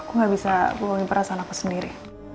aku gak bisa bohongi perasaan aku sendiri